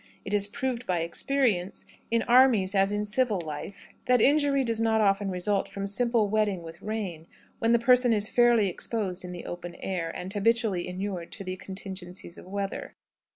"It is proved by experience, in armies as in civil life, that injury does not often result from simple wetting with rain when the person is fairly exposed in the open air, and habitually inured to the contingencies of weather.